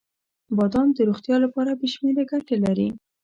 • بادام د روغتیا لپاره بې شمیره ګټې لري.